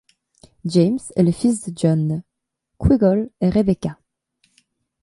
James est le fils de John Quiggle et Rebecca.